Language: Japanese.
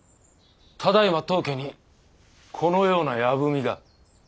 ただいま当家にこのような矢文が。